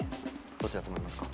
どっちだと思いますか？